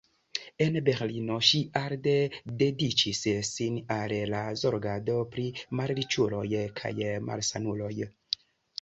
En Berlino ŝi arde dediĉis sin al la zorgado pri malriĉuloj kaj malsanuloj.